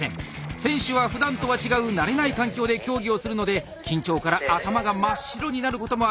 選手はふだんとは違う慣れない環境で競技をするので緊張から頭が真っ白になることもあります。